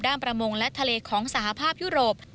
ประมงและทะเลของสหภาพยุโรป